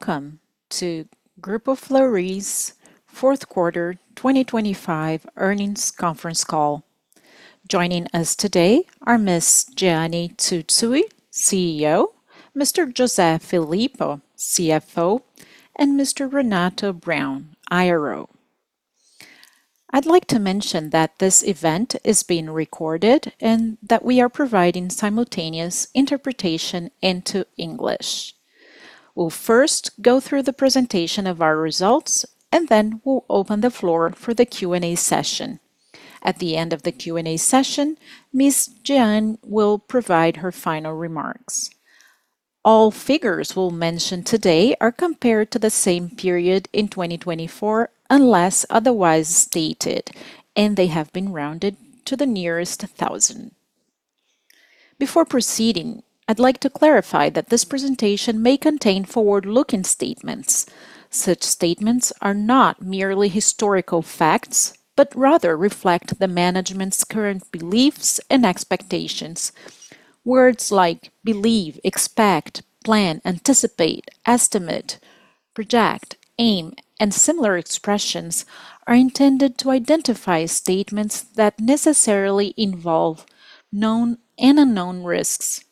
Welcome to Grupo Fleury's fourth quarter 2025 earnings conference call. Joining us today are Ms. Jeane Tsutsui, CEO, Mr. José Filippo, CFO, and Mr. Renato Braun, IRO. I'd like to mention that this event is being recorded and that we are providing simultaneous interpretation into English. We'll first go through the presentation of our results, and then we'll open the floor for the Q&A session. At the end of the Q&A session, Ms. Jeane will provide her final remarks. All figures we'll mention today are compared to the same period in 2024, unless otherwise stated, and they have been rounded to the nearest thousand. Before proceeding, I'd like to clarify that this presentation may contain forward-looking statements. Such statements are not merely historical facts, but rather reflect the management's current beliefs and expectations. Words like believe, expect, plan, anticipate, estimate, project, aim, and similar expressions are intended to identify statements that necessarily involve known and unknown risks.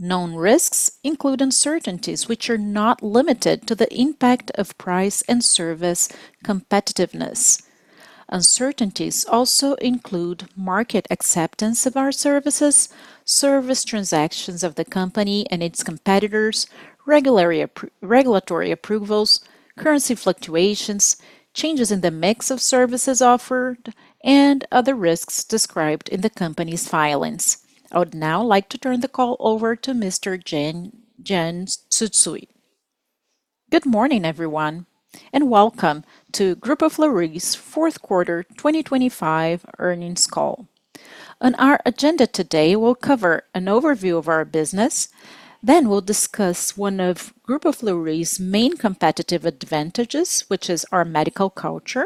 Known risks include uncertainties which are not limited to the impact of price, and service competitiveness. Uncertainties also include market acceptance of our services, service transactions of the company, and its competitors, regulatory approvals, currency fluctuations, changes in the mix of services offered, and other risks described in the company's filings. I would now like to turn the call over to Mr. Jeane Tsutsui. Good morning, everyone, and welcome to Grupo Fleury's fourth quarter 2025 earnings call. On our agenda today, we'll cover an overview of our business, then we'll discuss one of Grupo Fleury's main competitive advantages, which is our medical culture.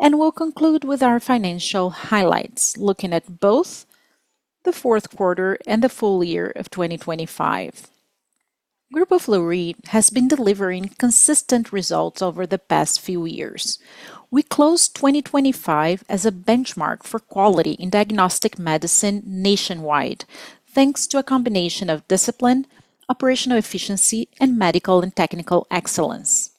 We'll conclude with our financial highlights, looking at both the fourth quarter, and the full year of 2025. Grupo Fleury has been delivering consistent results over the past few years. We closed 2025 as a benchmark for quality in diagnostic medicine nationwide, thanks to a combination of discipline, operational efficiency, and medical, and technical excellence.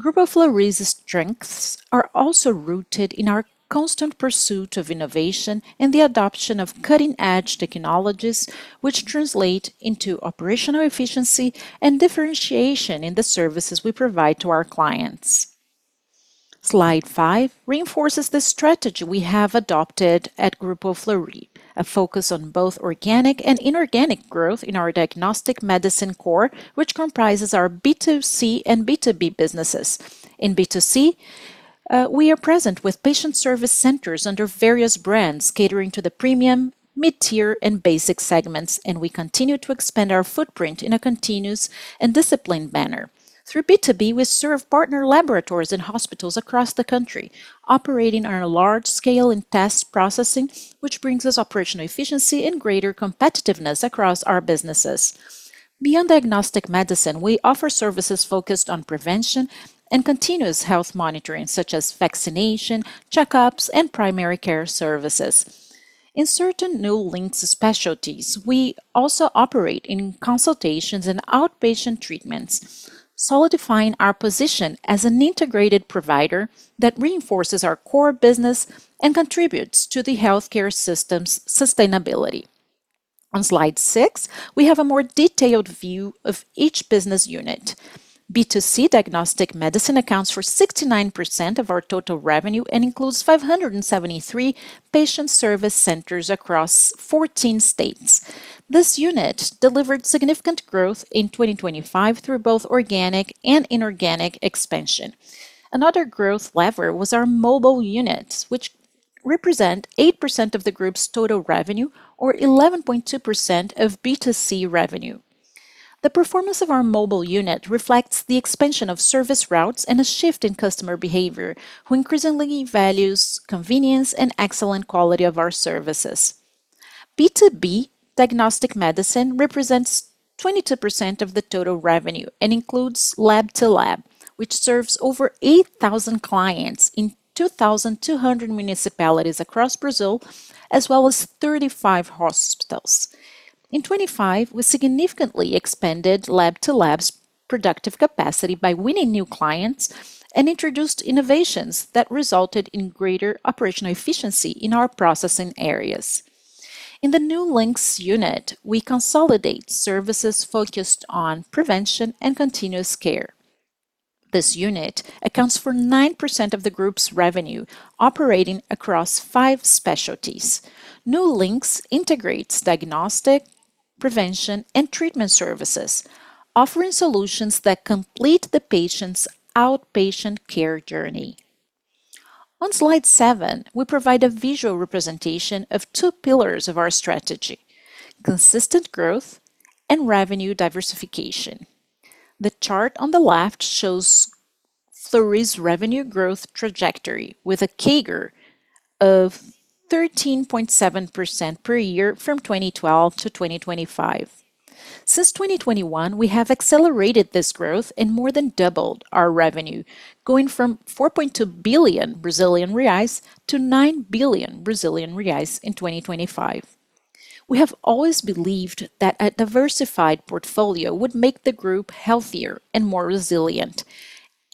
Grupo Fleury's strengths are also rooted in our constant pursuit of innovation and the adoption of cutting-edge technologies which translate into operational efficiency, and differentiation in the services we provide to our clients. Slide five ,reinforces the strategy we have adopted at Grupo Fleury, a focus on both organic and inorganic growth in our diagnostic medicine core, which comprises our B2C and B2B businesses. In B2C, we are present with Patient Service Centers under various brands catering to the premium, mid-tier, and basic segments, and we continue to expand our footprint in a continuous and disciplined manner. Through B2B, we serve partner laboratories and hospitals across the country, operating on a large scale in test processing, which brings us operational efficiencysic and greater competitiveness across our businesses. Beyond diagnostic medicine, we offer services focused on prevention and continuous health monitoring, such as vaccination, checkups, and primary care services. In certain New Links specialties, we also operate in consultations and outpatient treatments, solidifying our position as an integrated provider that reinforces our core business and contributes to the healthcare system's sustainability. On slide six, we have a more detailed view of each business unit. B2C diagnostic medicine accounts for 69% of our total revenue and includes 573 Patient Service Centers across 14 states. This unit delivered significant growth in 2025 through both organic and inorganic expansion. Another growth lever was our mobile units, which represent 8% of the group's total revenue or 11.2% of B2C revenue. The performance of our mobile unit reflects the expansion of service routes and a shift in customer behavior, who increasingly values convenience and excellent quality of our services. B2B diagnostic medicine represents 22% of the total revenue and includes Lab-to-Lab, which serves over 8,000 clients in 2,200 municipalities across Brazil as well as 35 hospitals. In 2025, we significantly expanded Lab-to-Lab's productive capacity by winning new clients, and introduced innovations that resulted in greater operational efficiency in our processing areas. In the New Links unit, we consolidate services focused on prevention and continuous care. This unit accounts for 9% of the group's revenue, operating across five specialties. New Links integrates diagnostic, prevention, and treatment services, offering solutions that complete the patient's outpatient care journey. On slide seven, we provide a visual representation of two pillars of our strategy: consistent growth, and revenue diversification. The chart on the left shows Fleury's revenue growth trajectory with a CAGR of 13.7% per year from 2012 to 2025. Since 2021, we have accelerated this growth, and more than doubled our revenue, going from 4.2 billion Brazilian reais to 9 billion Brazilian reais in 2025. We have always believed that a diversified portfolio would make the group healthier and more resilient.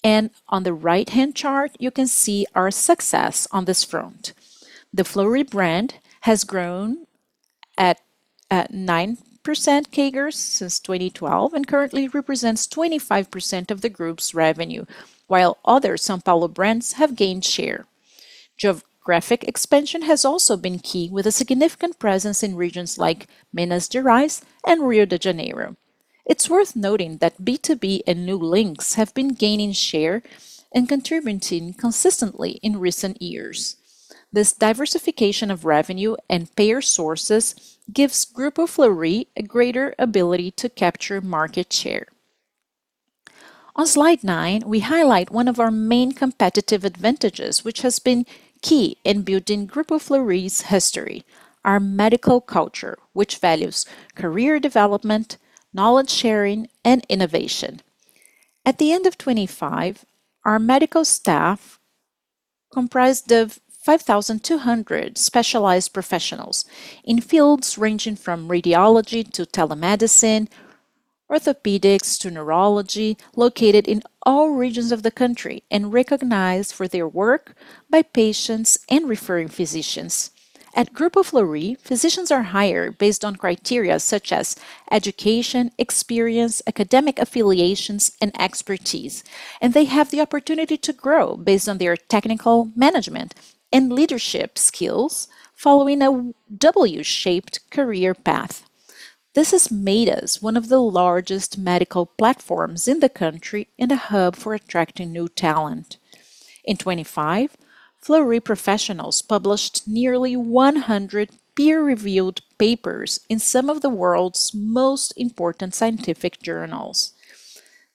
On the right-hand chart, you can see our success on this front. The Fleury brand has grown at 9% CAGRs since 2012 and currently represents 25% of the group's revenue, while other São Paulo brands have gained share. Geographic expansion has also been key with a significant presence in regions like Minas Gerais and Rio de Janeiro. It's worth noting that B2B and New Links have been gaining share and contributing consistently in recent years. This diversification of revenue and payer sources gives Grupo Fleury a greater ability to capture market share. On slide nine, we highlight one of our main competitive advantages, which has been key in building Grupo Fleury's history, our medical culture, which values career development, knowledge sharing, and innovation. At the end of 2025, our medical staff comprised of 5,200 specialized professionals in fields ranging from radiology to telemedicine, orthopedics to neurology, located in all regions of the country ,and recognized for their work by patients, and referring physicians. At Grupo Fleury, physicians are hired based on criteria such as education, experience, academic affiliations, and expertise, and they have the opportunity to grow based on their technical management and leadership skills following a W-shaped career path. This has made us one of the largest medical platforms in the country and a hub for attracting new talent. In 2025, Fleury professionals published nearly 100 peer-reviewed papers in some of the world's most important scientific journals.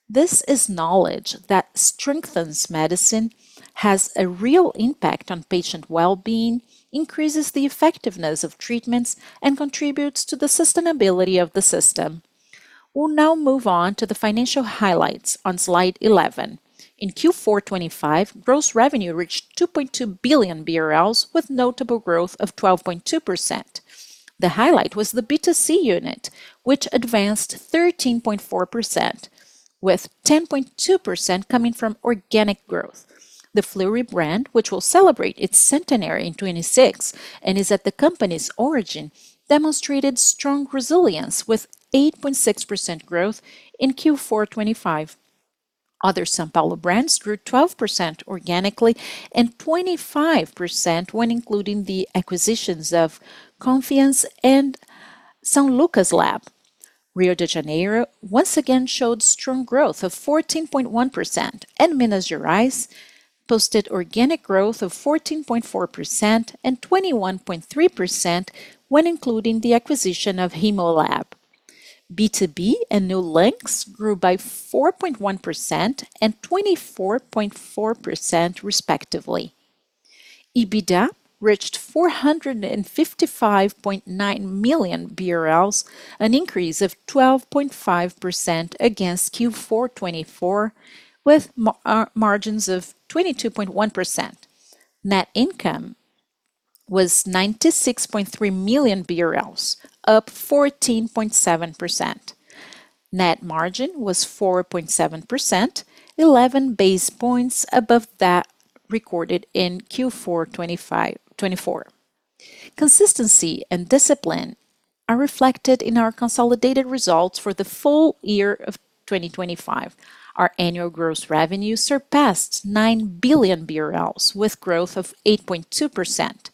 This is knowledge that strengthens medicine, has a real impact on patient wellbeing, increases the effectiveness of treatments, and contributes to the sustainability of the system. We'll now move on to the financial highlights on slide 11. In Q4 2025, gross revenue reached 2.2 billion BRL with notable growth of 12.2%. The highlight was the B2C unit, which advanced 13.4% with 10.2% coming from organic growth. The Fleury brand, which will celebrate its centenary in 2026 and is at the company's origin, demonstrated strong resilience with 8.6% growth in Q4 2025. Other São Paulo brands grew 12% organically and 25% when including the acquisitions of Confiance and São Lucas Lab. Rio de Janeiro once again showed strong growth of 14.1%, and Minas Gerais posted organic growth of 14.4% and 21.3% when including the acquisition of Hemolab. B2B and New Links grew by 4.1% and 24.4% respectively. EBITDA reached 455.9 million BRL, an increase of 12.5% against Q4 2024 with margins of 22.1%. Net income was BRL 96.3 million, up 14.7%. Net margin was 4.7%, 11 basis points above that recorded in Q4 2024. Consistency and discipline are reflected in our consolidated results for the full year of 2025. Our annual gross revenue surpassed 9 billion BRL with growth of 8.2%.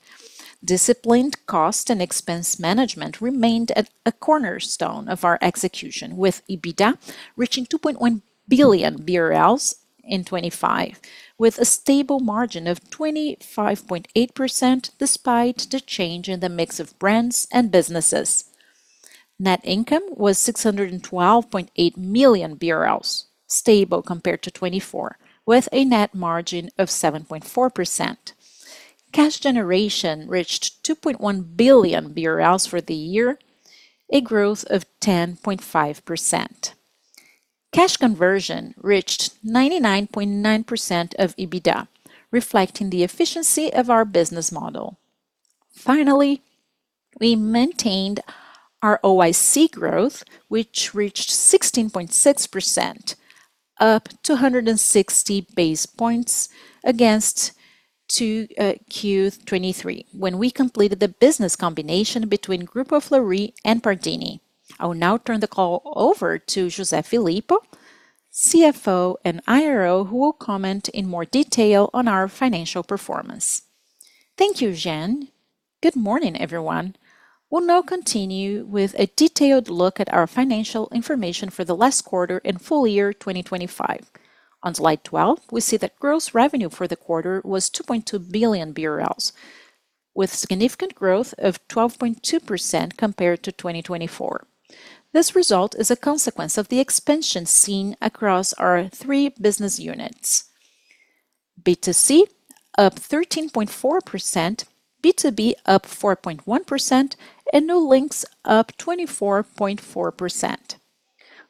Disciplined cost and expense management remained at a cornerstone of our execution, with EBITDA reaching 2.1 billion BRL in 2025, with a stable margin of 25.8% despite the change in the mix of brands and businesses. Net income was 612.8 million BRL, stable compared to 2024, with a net margin of 7.4%. Cash generation reached 2.1 billion BRL for the year, a growth of 10.5%. Cash conversion reached 99.9% of EBITDA, reflecting the efficiency of our business model. Finally, we maintained our ROIC growth, which reached 16.6%, up 260 basis points against 2Q 2023, when we completed the business combination between Grupo Fleury and Pardini. I will now turn the call over to José Filippo, CFO and IRO, who will comment in more detail on our financial performance. Thank you, Jeane. Good morning, everyone. We'll now continue with a detailed look at our financial information for the last quarter and full year 2025. On slide 12, we see that gross revenue for the quarter was 2.2 billion BRL. With significant growth of 12.2% compared to 2024. This result is a consequence of the expansion seen across our three business units. B2C up 13.4%, B2B up 4.1%, and New Links up 24.4%.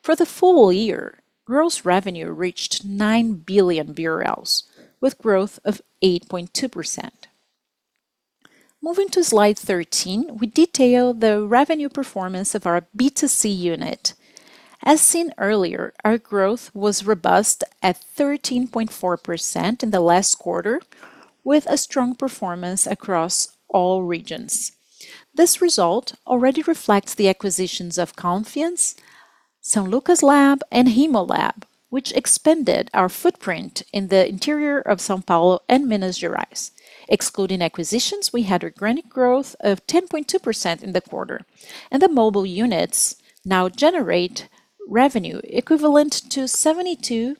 For the full year, gross revenue reached 9 billion BRL, with growth of 8.2%. Moving to slide 13, we detail the revenue performance of our B2C unit. As seen earlier, our growth was robust at 13.4% in the last quarter, with a strong performance across all regions. This result already reflects the acquisitions of Confiance, São Lucas Lab, and Hemolab, which expanded our footprint in the interior of São Paulo and Minas Gerais. Excluding acquisitions, we had organic growth of 10.2% in the quarter, and the mobile units now generate revenue equivalent to 72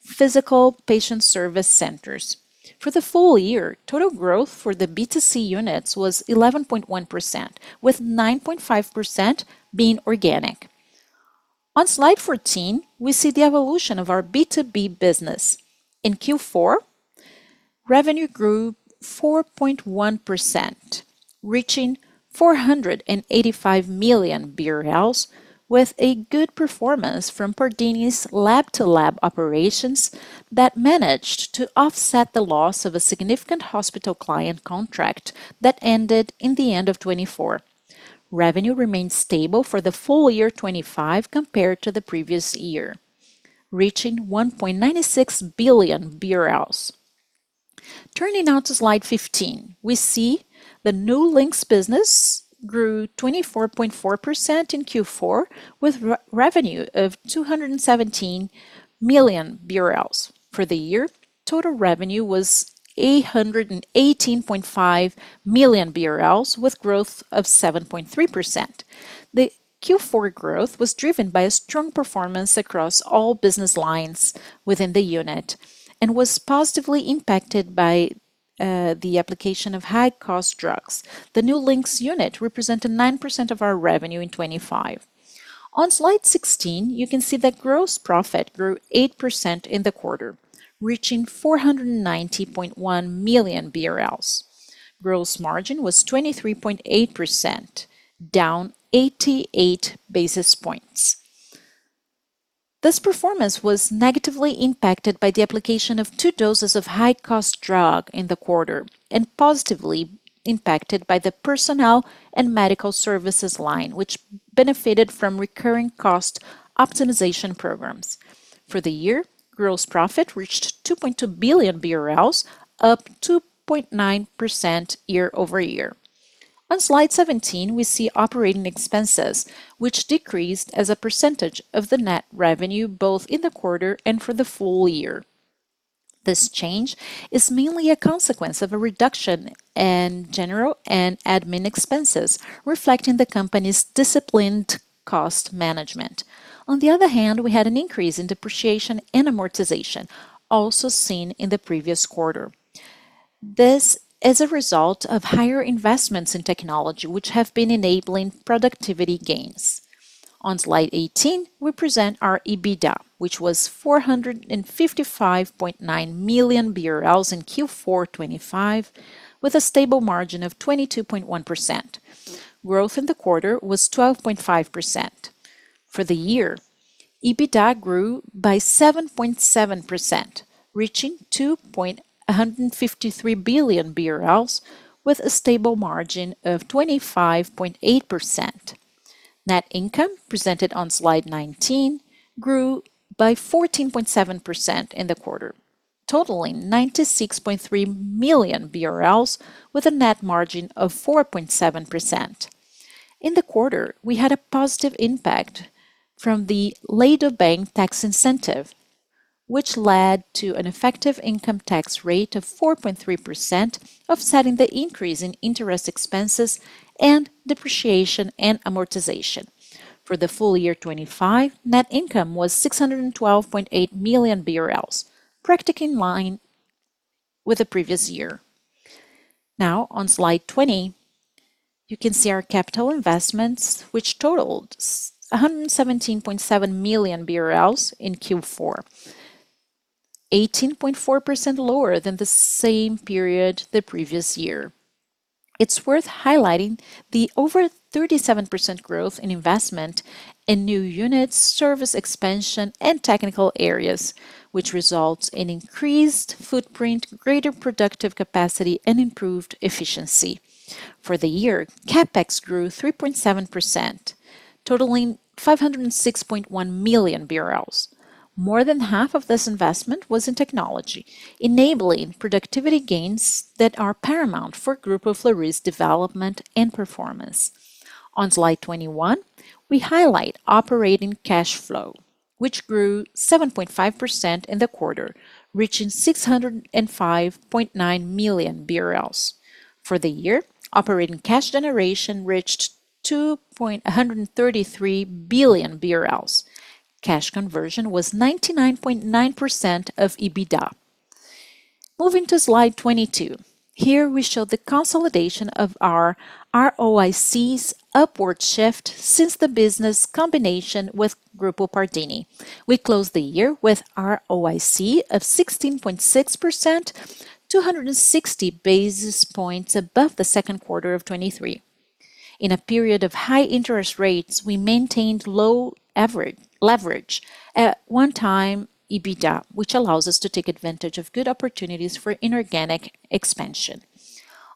physical patient service centers. For the full year, total growth for the B2C units was 11.1%, with 9.5% being organic. On slide 14, we see the evolution of our B2B business. In Q4, revenue grew 4.1%, reaching 485 million, with a good performance from Pardini's Lab-to-Lab operations that managed to offset the loss of a significant hospital client contract that ended in the end of 2024. Revenue remained stable for the full year 2025 compared to the previous year, reaching 1.96 billion. Turning now to slide 15, we see the New Links business grew 24.4% in Q4 with re-revenue of 217 million BRL. For the year, total revenue was 818.5 million BRL, with growth of 7.3%. The Q4 growth was driven by a strong performance across all business lines within the unit and was positively impacted by the application of high-cost drugs. The New Links unit represented 9% of our revenue in 2025. On slide 16, you can see that gross profit grew 8% in the quarter, reaching 490.1 million BRL. Gross margin was 23.8%, down 88 basis points. This performance was negatively impacted by the application of two doses of high-cost drug in the quarter and positively impacted by the personnel, and medical services line, which benefited from recurring cost optimization programs. For the year, gross profit reached 2.2 billion BRL, up 2.9% year-over-year. On slide 17, we see operating expenses, which decreased as a percentage of the net revenue, both in the quarter and for the full year. This change is mainly a consequence of a reduction in general, and admin expenses, reflecting the company's disciplined cost management. On the other hand, we had an increase in depreciation, and amortization, also seen in the previous quarter. This is a result of higher investments in technology, which have been enabling productivity gains. On slide 18, we present our EBITDA, which was 455.9 million BRL in Q4 2025, with a stable margin of 22.1%. Growth in the quarter was 12.5%. For the year, EBITDA grew by 7.7%, reaching 2.153 billion BRL, with a stable margin of 25.8%. Net income, presented on Slide 19, grew by 14.7% in the quarter, totaling 96.3 million BRL, with a net margin of 4.7%. In the quarter, we had a positive impact from the Lei do Bem tax incentive, which led to an effective income tax rate of 4.3%, offsetting the increase in interest expenses and depreciation and amortization. For the full year 2025, net in, come was 612.8 million BRL, practically in line with the previous year. On slide 20, you can see our capital investments, which totaled 117.7 million BRL in Q4, 18.4% lower than the same period the previous year. It's worth highlighting the over 37% growth in investment in new units, service expansion, and technical areas, which results in increased footprint, greater productive capacity, and improved efficiency. For the year, CapEx grew 3.7%, totaling 506.1 million BRL. More than half of this investment was in technology, enabling productivity gains that are paramount for Grupo Fleury's development and performance. On slide 21, we highlight operating cash flow, which grew 7.5% in the quarter, reaching 605.9 million BRL. For the year, operating cash generation reached 2.133 billion BRL. Cash conversion was 99.9% of EBITDA. Moving to slide 22. Here we show the consolidation of our ROIC's upward shift since the business combination with Grupo Pardini. We closed the year with ROIC of 16.6%, 260 basis points above the second quarter of 2023. In a period of high interest rates, we maintained low leverage at 1x EBITDA, which allows us to take advantage of good opportunities for inorganic expansion.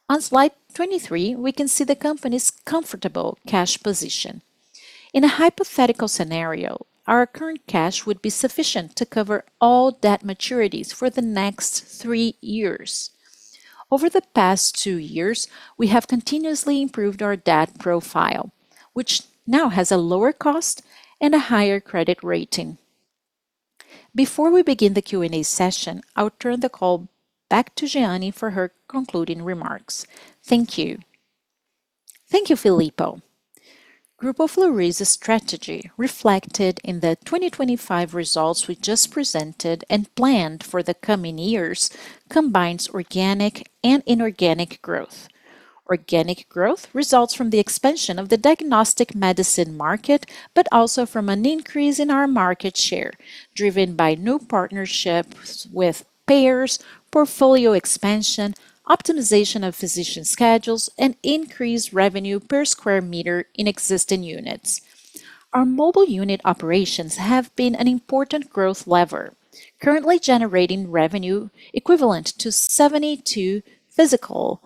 On slide 23, we can see the company's comfortable cash position. In a hypothetical scenario, our current cash would be sufficient to cover all debt maturities for the next three years. Over the past two years, we have continuously improved our debt profile, which now has a lower cost and a higher credit rating. Before we begin the Q&A session, I'll turn the call back to Jeane for her concluding remarks. Thank you. Thank you, Filippo. Grupo Fleury's strategy reflected in the 2025 results we just presented and planned for the coming years combines organic and inorganic growth. Organic growth results from the expansion of the diagnostic medicine market, but also from an increase in our market share, driven by new partnerships with payers, portfolio expansion, optimization of physician schedules, and increased revenue per square meter in existing units. Our mobile unit operations have been an important growth lever, currently generating revenue equivalent to 72 physical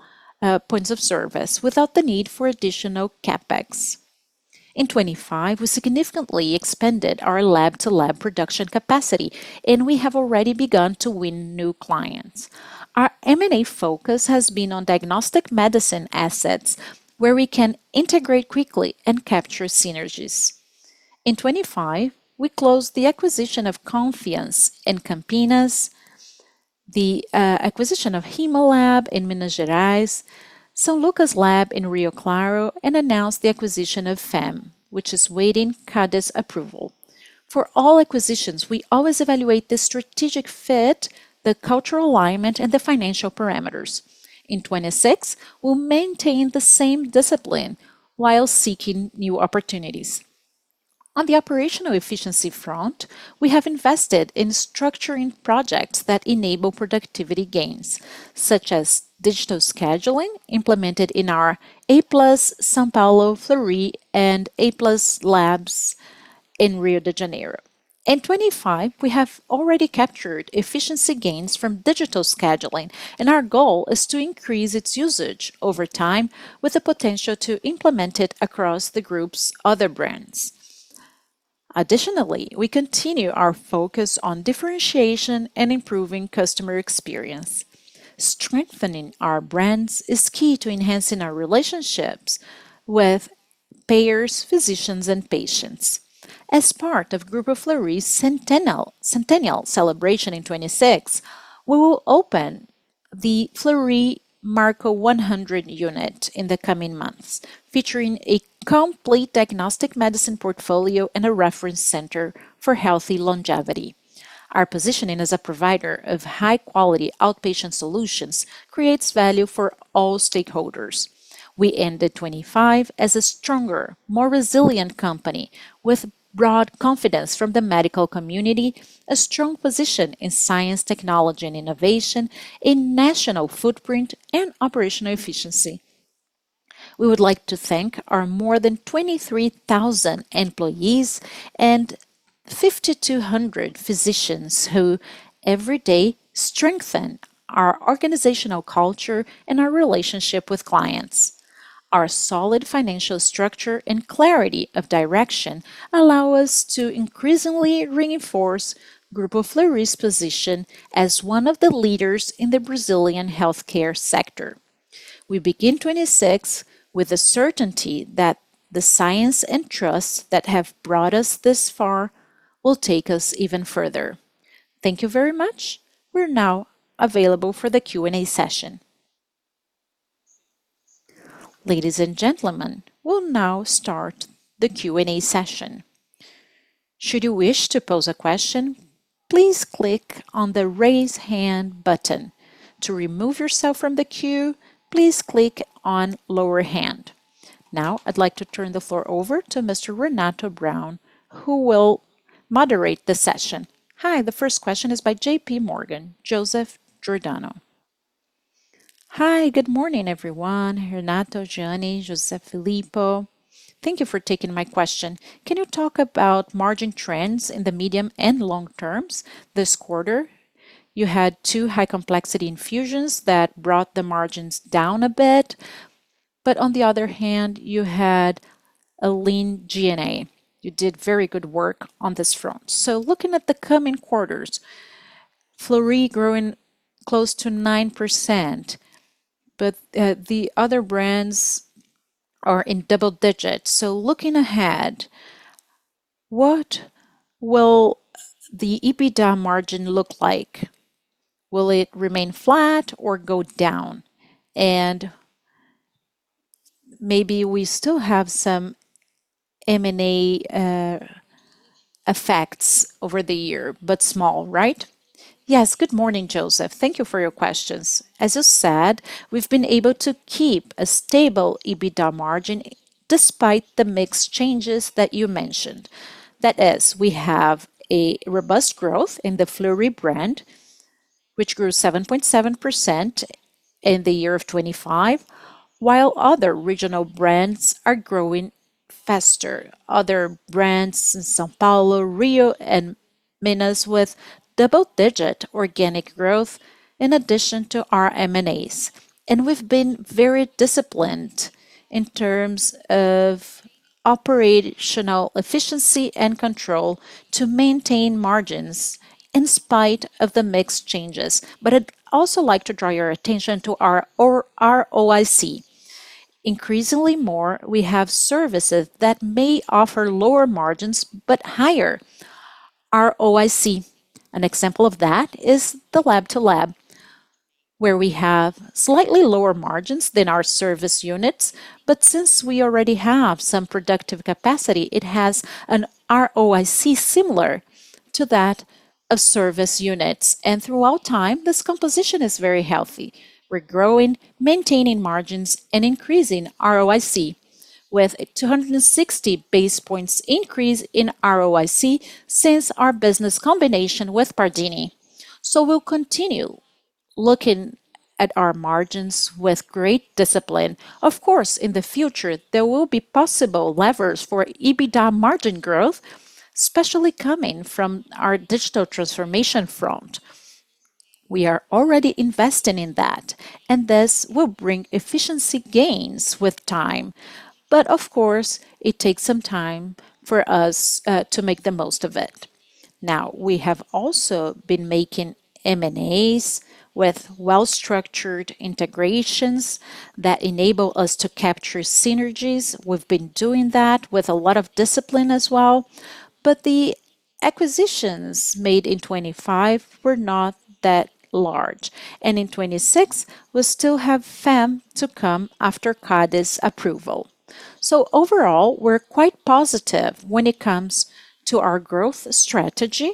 points of service without the need for additional CapEx. In 2025, we significantly expanded our lab-to-lab production capacity, and we have already begun to win new clients. Our M&A focus has been on diagnostic medicine assets where we can integrate quickly and capture synergies. In 2025, we closed the acquisition of Confiance in Campinas, the acquisition of Hemolab in Minas Gerais, São Lucas Lab in Rio Claro, and announced the acquisition of Femme, which is waiting CADE's approval. For all acquisitions, we always evaluate the strategic fit, the cultural alignment, and the financial parameters. In 2026, we'll maintain the same discipline while seeking new opportunities. On the operational efficiency front, we have invested in structuring projects that enable productivity gains, such as digital scheduling implemented in our a+ São Paulo Fleury and a+ labs in Rio de Janeiro. In 2025, we have already captured efficiency gains from digital scheduling, and our goal is to increase its usage over time with the potential to implement it across the group's other brands. Additionally, we continue our focus on differentiation and improving customer experience. Strengthening our brands is key to enhancing our relationships with payers, physicians, and patients. As part of Grupo Fleury's centennial celebration in 2026, we will open the Fleury Marco 100 unit in the coming months, featuring a complete diagnostic medicine portfolio and a reference center for healthy longevity. Our positioning as a provider of high-quality outpatient solutions creates value for all stakeholders. We ended 2025 as a stronger, more resilient company with broad confidence from the medical community, a strong position in science, technology, and innovation, a national footprint, and operational efficiency. We would like to thank our more than 23,000 employees and 5,200 physicians who every day strengthen our organizational culture. And our relationship with clients. Our solid financial structure and clarity of direction allow us to increasingly reinforce Grupo Fleury's position as one of the leaders in the Brazilian healthcare sector. We begin 2026 with the certainty that the science, and trust that have brought us this far will take us even further. Thank you very much. We're now available for the Q&A session. Ladies and gentlemen, we'll now start the Q&A session. Should you wish to pose a question, please click on the Raise Hand button. To remove yourself from the queue, please click on Lower Hand. Now I'd like to turn the floor over to Mr. Renato Braun, who will moderate the session. Hi, the first question is by J.P. Morgan, Joseph Giordano. Hi, good morning, everyone. Renato, Jeane, José, Filippo, thank you for taking my question. Can you talk about margin trends in the medium and long terms this quarter? You had two high-complexity infusions that brought the margins down a bit. On the other hand, you had a lean G&A. You did very good work on this front. Looking at the coming quarters, Fleury growing close to 9%, but the other brands are in double digits. Looking ahead, what will the EBITDA margin look like? Will it remain flat or go down? Maybe we still have some M&A effects over the year, but small, right? Yes. Good morning, Joseph. Thank you for your questions. As you said, we've been able to keep a stable EBITDA margin despite the mix changes that you mentioned. That is, we have a robust growth in the Fleury brand, which grew 7.7% in the year of 2025, while other regional brands are growing faster. Other brands in São Paulo, Rio, and Minas with double-digit organic growth in addition to our M&As. We've been very disciplined in terms of operational efficiency, and control to maintain margins in spite of the mix changes. I'd also like to draw your attention to our ROIC. Increasingly more, we have services that may offer lower margins, but higher ROIC. An example of that is the Lab-to-Lab, where we have slightly lower margins than our service units, but since we already have some productive capacity, it has an ROIC similar to that of service units. Throughout time, this composition is very healthy. We're growing, maintaining margins, and increasing ROIC with a 260 base points increase in ROIC since our business combination with Pardini. We'll continue looking at our margins with great discipline. Of course, in the future, there will be possible levers for EBITDA margin growth, especially coming from our digital transformation front. We are already investing in that, this will bring efficiency gains with time. Of course, it takes some time for us to make the most of it. Now, we have also been making M&As with well-structured integrations that enable us to capture synergies. We've been doing that with a lot of discipline as well. The acquisitions made in 25 were not that large. In 2026, we still have Femme to come after CADE's approval. Overall, we're quite positive when it comes to our growth strategy,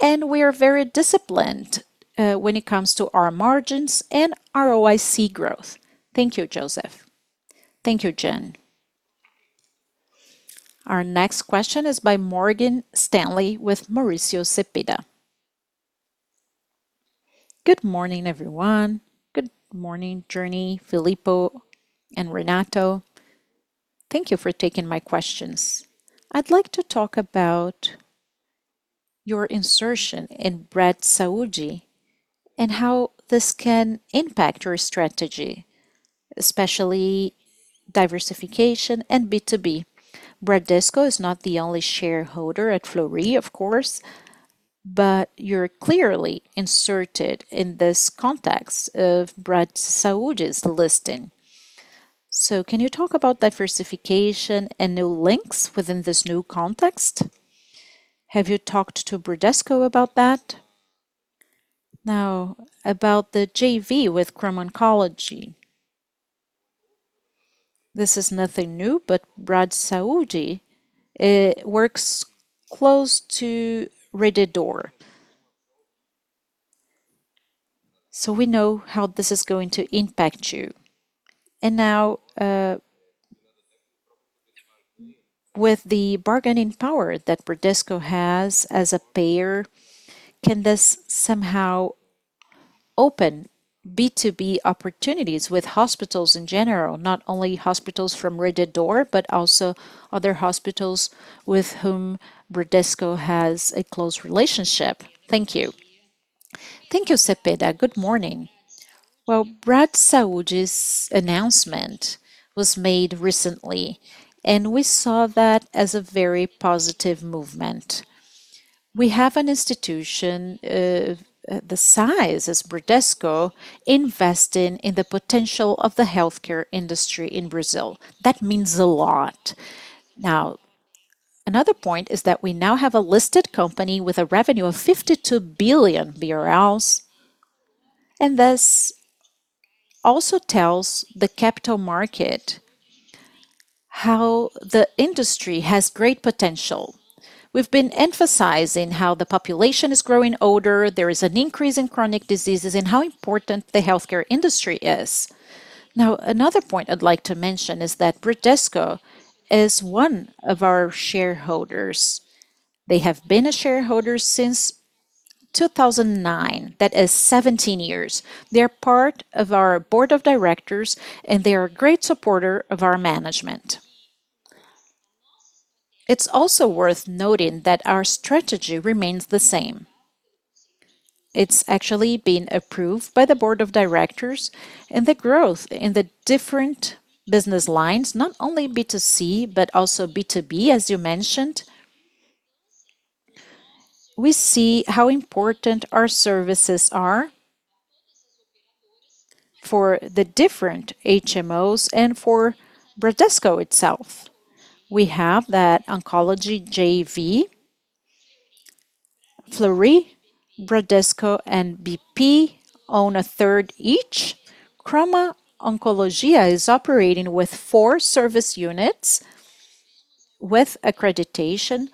and we are very disciplined when it comes to our margins and ROIC growth. Thank you, Joseph. Thank you, Jen. Our next question is by Morgan Stanley with Mauricio Cepeda. Good morning, everyone. Good morning, Jeane Tsutsui, José Filippo, and Renato. Thank you for taking my questions. I'd like to talk about your insertion in Bradesco Saúde and how this can impact your strategy, especially diversification and B2B. Bradesco is not the only shareholder at Fleury, of course, but you're clearly inserted in this context of Bradesco Saúde's listing. Can you talk about diversification and New Links within this new context? Have you talked to Bradesco about that? Now, about the JV with Krom Oncologia. This is nothing new, but Bradesco Saúde works close to Rede D'Or. We know how this is going to impact you. Now, with the bargaining power that Bradesco has as a payer, can this somehow open B2B opportunities with hospitals in general, not only hospitals from Rede D'Or, but also other hospitals with whom Bradesco has a close relationship? Thank you. Thank you, Cepeda. Good morning. Well, Brad Saúde's announcement was made recently, we saw that as a very positive movement. We have an institution, the size as Bradesco investing in the potential of the healthcare industry in Brazil. That means a lot. Another point is that we now have a listed company with a revenue of 52 billion BRL, this also tells the capital market how the industry has great potential. We've been emphasizing how the population is growing older, there is an increase in chronic diseases, and how important the healthcare industry is. Another point I'd like to mention is that Bradesco is one of our shareholders. They have been a shareholder since 2009. That is 17 years. They're part of our board of directors, they are a great supporter of our management. It's also worth noting that our strategy remains the same. It's actually been approved by the board of directors. The growth in the different business lines, not only B2C, but also B2B, as you mentioned. We see how important our services are for the different HMOs and for Bradesco itself. We have that oncology JV Fleury, Bradesco, and BP own a third each. Chroma Oncologia is operating with four service units with accreditation.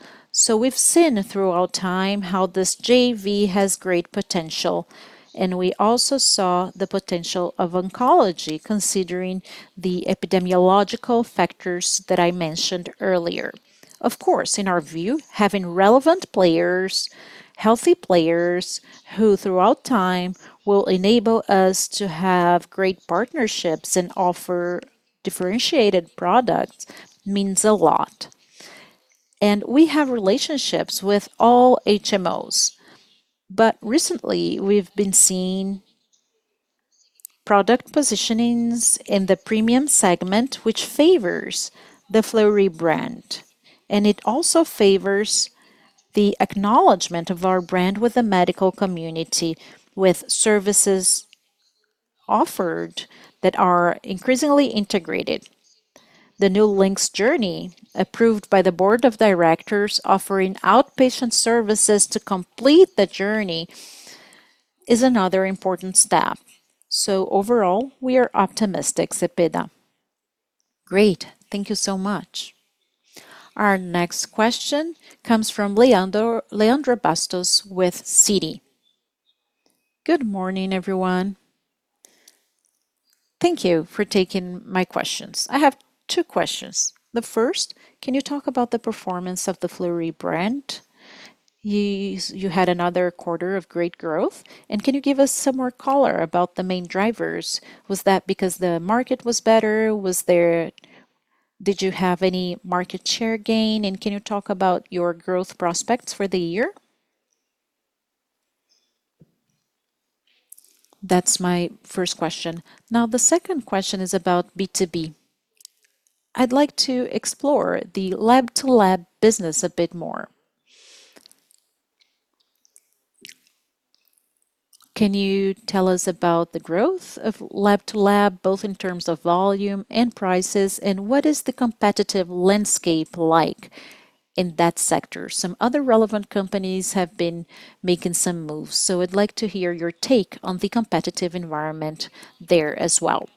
We've seen throughout time how this JV has great potential. We also saw the potential of oncology considering the epidemiological factors that I mentioned earlier. Of course, in our view, having relevant players, healthy players who throughout time will enable us to have great partnerships and offer differentiated products means a lot. We have relationships with all HMOs. Recently, we've been seeing product positionings in the premium segment, which favors the Fleury brand, and it also favors the acknowledgement of our brand with the medical community with services offered that are increasingly integrated. The new Links Journey, approved by the board of directors, offering outpatient services to complete the journey is another important step. Overall, we are optimistic, Cepeda. Great. Thank you so much. Our next question comes from Leandro Bastos with Citi. Good morning, everyone. Thank you for taking my questions. I have two questions. The first, can you talk about the performance of the Fleury brand? You had another quarter of great growth. Can you give us some more color about the main drivers? Was that because the market was better? Did you have any market share gain? Can you talk about your growth prospects for the year? That's my first question. The second question is about B2B. I'd like to explore the Lab-to-Lab business a bit more. Can you tell us about the growth of Lab-to-Lab, both in terms of volume and prices, and what is the competitive landscape like in that sector? Some other relevant companies have been making some moves. I'd like to hear your take on the competitive environment there as well.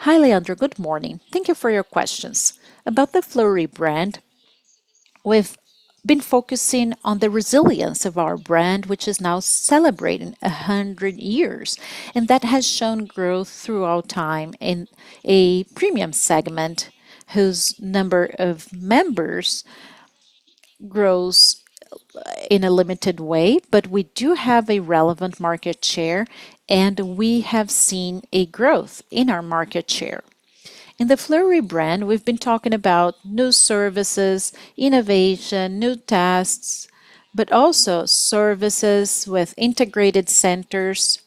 Hi, Leandro. Good morning. Thank you for your questions. About the Fleury brand, we've been focusing on the resilience of our brand, which is now celebrating 100 years, and that has shown growth throughout time in a premium segment whose number of members grows in a limited way. We do have a relevant market share, and we have seen a growth in our market share. In the Fleury brand, we've been talking about new services, innovation, new tests, but also services with integrated centers.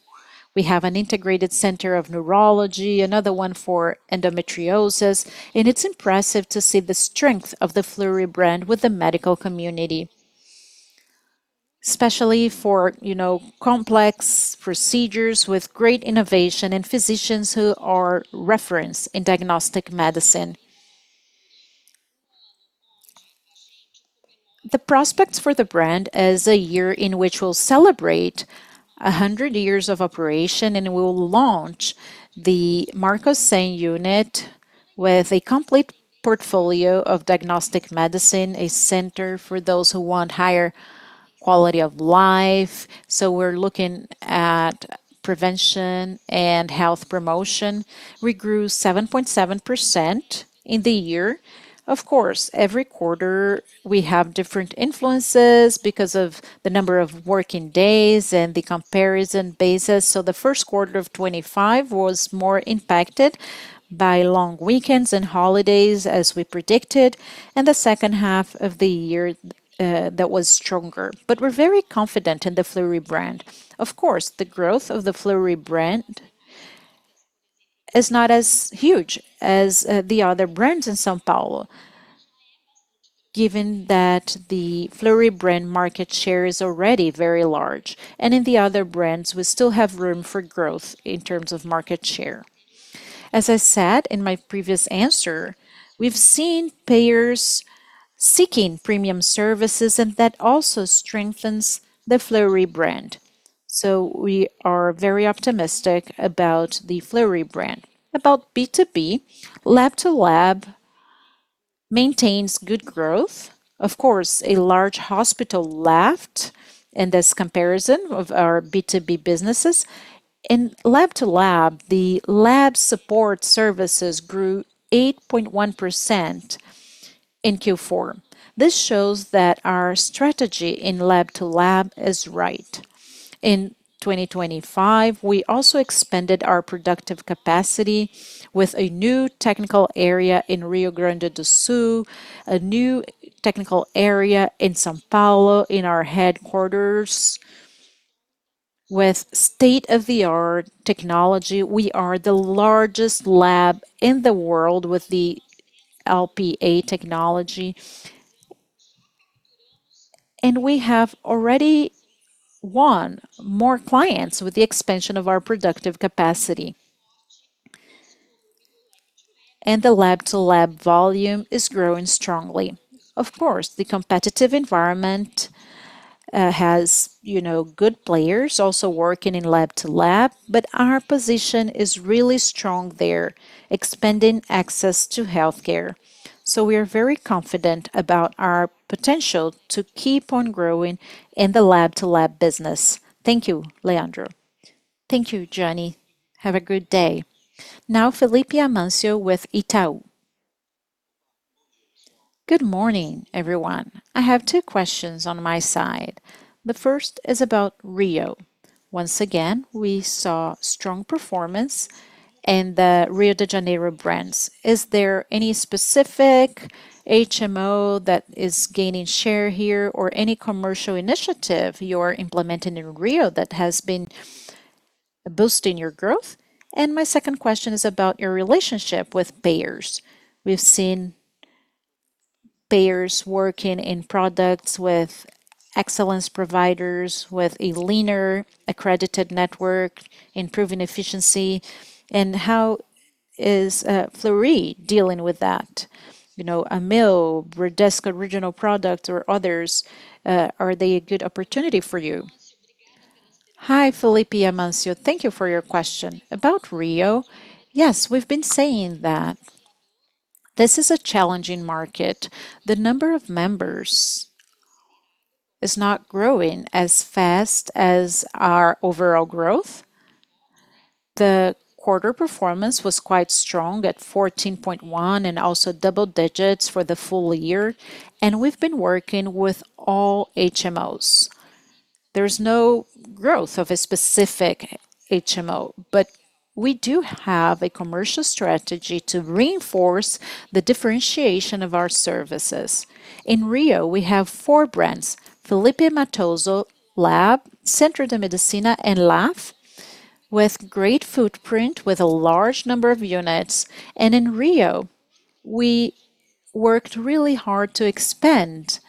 We have an integrated center of neurology, another one for endometriosis. It's impressive to see the strength of the Fleury brand with the medical community, especially for, you know, complex procedures with great innovation, and physicians who are referenced in diagnostic medicine. The prospects for the brand is a year in which we'll celebrate 100 years of operation. We will launch the Fleury Marco 100 unit with a complete portfolio of diagnostic medicine, a center for those who want higher quality of life. We're looking at prevention, and health promotion. We grew 7.7% in the year. Of course, every quarter we have different influences because of the number of working days and the comparison basis. The first quarter of 2025 was more impacted by long weekends, and holidays, as we predicted, and the second half of the year, that was stronger. We're very confident in the Fleury brand. Of course, the growth of the Fleury brand is not as huge as the other brands in São Paulo, given that the Fleury brand market share is already very large, and in the other brands, we still have room for growth in terms of market share. As I said in my previous answer, we've seen payers seeking premium services, and that also strengthens the Fleury brand. We are very optimistic about the Fleury brand. About B2B, Lab-to-Lab maintains good growth. Of course, a large hospital left in this comparison of our B2B businesses. In Lab-to-Lab, the lab support services grew 8.1% in Q4. This shows that our strategy in Lab-to-Lab is right. In 2025, we also expanded our productive capacity with a new technical area in Rio Grande do Sul, a new technical area in São Paulo in our headquarters with state-of-the-art technology. We are the largest lab in the world with the LPA technology. We have already won more clients with the expansion of our productive capacity. The Lab-to-Lab volume is growing strongly. Of course, the competitive environment has, you know, good players also working in Lab-to-Lab, but our position is really strong there, expanding access to healthcare. We are very confident about our potential tod keep on growing in the Lab-to-Lab business. Thank you, Leandro Thank you, Jeane. Have a good day. Now, Felipe Amancio with Itaú. Good morning, everyone. I have two questions on my side. The first is about Rio. Once again, we saw strong performance in the Rio de Janeiro brands. Is there any specific HMO that is gaining share here or any commercial initiative you're implementing in Rio that has been boosting your growth? My second question is about your relationship with payers. We've seen payers working in products with excellence providers, with a leaner accredited network, improving efficiency, and how is Fleury dealing with that? You know, Amil, Bradesco Original product or others, are they a good opportunity for you? Hi, Felipe Amancio. Thank you for your question. About Rio, yes, we've been saying that this is a challenging market. The number of members is not growing as fast as our overall growth. The quarter performance was quite strong at 14.1% and also double digits for the full year. We've been working with all HMOs. There's no growth of a specific HMO. We do have a commercial strategy to reinforce the differentiation of our services. In Rio, we have four brands, Clínica Felippe Mattoso, Centro de Medicina, and LAFE, with great footprint, with a large number of units. In Rio, we worked really hard to expand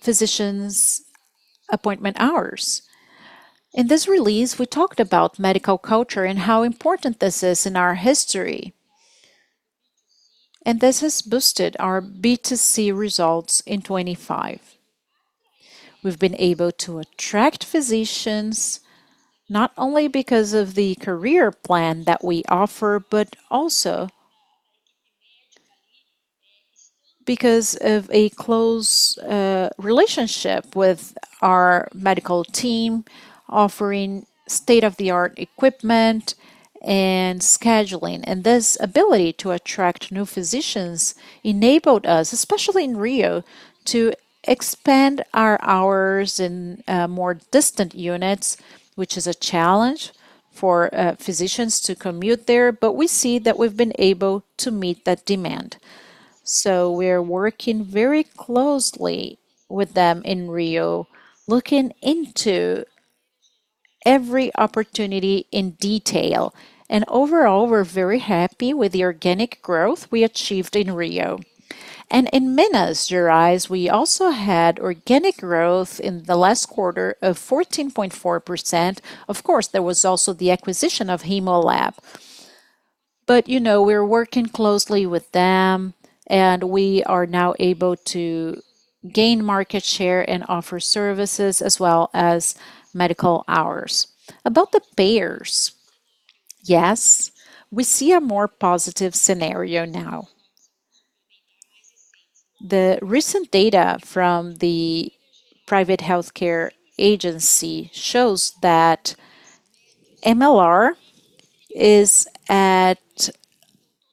physicians' appointment hours. In this release, we talked about medical culture and how important this is in our history. This has boosted our B2C results in 2025. We've been able to attract physicians not only because of the career plan that we offer, but also because of a close relationship with our medical team offering state-of-the-art equipment and scheduling. This ability to attract new physicians enabled us, especially in Rio, to expand our hours in more distant units, which is a challenge for physicians to commute there, but we see that we've been able to meet that demand. We're working very closely with them in Rio, looking into every opportunity in detail. Overall, we're very happy with the organic growth we achieved in Rio. In Minas Gerais, we also had organic growth in the last quarter of 14.4%. Of course, there was also the acquisition of Hemolab. You know, we're working closely with them, and we are now able to gain market share and offer services as well as medical hours. About the payers, yes, we see a more positive scenario now. The recent data from the private healthcare agency shows that MLR is at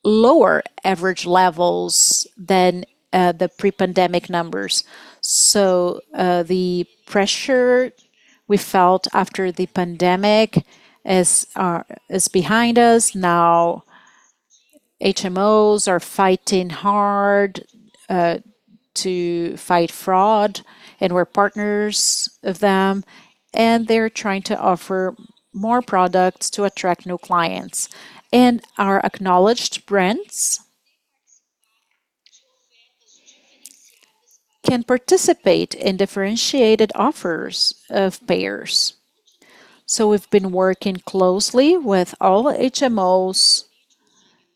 lower average levels than the pre-pandemic numbers. The pressure we felt after the pandemic is behind us. HMOs are fighting hard to fight fraud, and we're partners of them, and they're trying to offer more products to attract new clients. Our acknowledged brands can participate in differentiated offers of payers. We've been working closely with all HMOs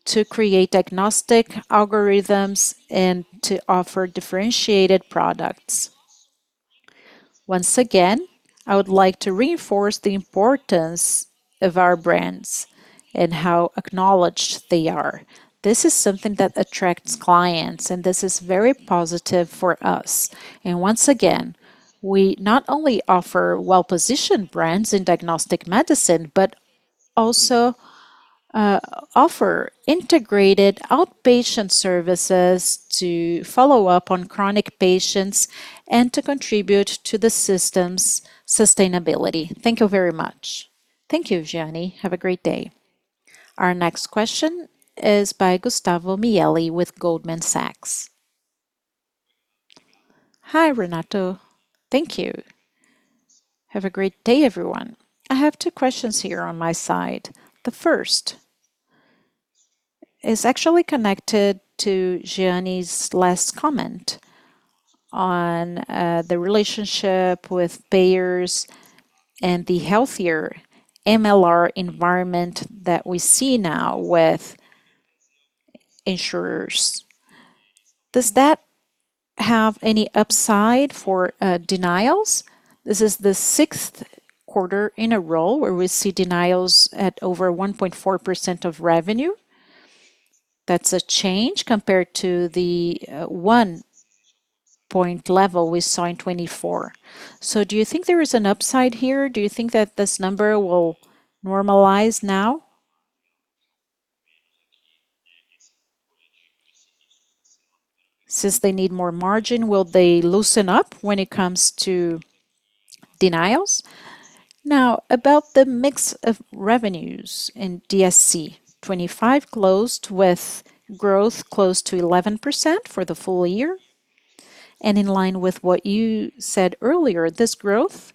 to create agnostic algorithms and to offer differentiated products. I would like to reinforce the importance of our brands and how acknowledged they are. This is something that attracts clients, and this is very positive for us. We not only offer well-positioned brands in diagnostic medicine but also offer integrated outpatient services to follow up on chronic patients and to contribute to the system's sustainability. Thank you very much. Thank you, Jeane. Have a great day. Our next question is by Gustavo Miele with Goldman Sachs. Hi, Renato. Thank you. Have a great day, everyone. I have two questions here on my side. The first is actually connected to Jeane's last comment. On the relationship with payers and the healthier MLR environment that we see now with insurers, does that have any upside for denials? This is the sixth quarter in a row where we see denials at over 1.4% of revenue. That's a change compared to the 1.0% level we saw in 2024. Do you think there is an upside here? Do you think that this number will normalize now? Since they need more margin, will they loosen up when it comes to denials? About the mix of revenues in CD. 2025 closed with growth close to 11% for the full year. In line with what you said earlier, this growth